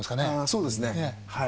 そうですねはい。